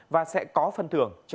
và sẽ có phân thưởng cho chúng tôi